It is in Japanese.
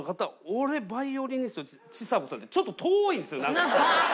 俺バイオリニストちさ子さんでちょっと遠いんですよなんか。